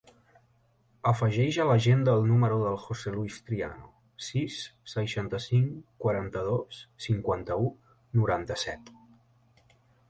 Afegeix a l'agenda el número del José luis Triano: sis, seixanta-cinc, quaranta-dos, cinquanta-u, noranta-set.